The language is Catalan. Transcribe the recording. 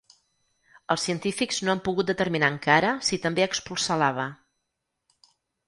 Els científics no han pogut determinar encara si també expulsa lava.